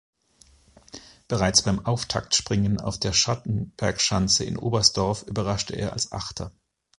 Bereits beim Auftaktspringen auf der Schattenbergschanze in Oberstdorf überraschte er als Achter.